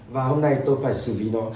và hôm nay tôi phải xử lý nó